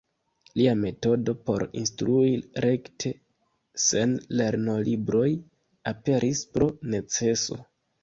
Lia metodo por instrui rekte, sen lernolibroj, aperis pro neceso.